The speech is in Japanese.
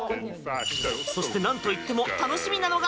そしてなんといっても楽しみなのが。